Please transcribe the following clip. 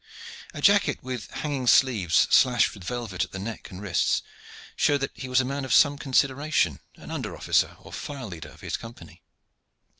A jacket with hanging sleeves, slashed with velvet at the neck and wrists, showed that he was a man of some consideration, an under officer, or file leader of his company.